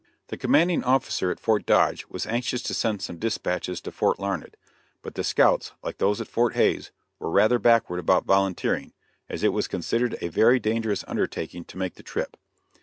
The commanding officer at Fort Dodge was anxious to send some dispatches to Fort Larned, but the scouts, like those at Fort Hays, were rather backward about volunteering, as it was considered a very dangerous undertaking to make the trip.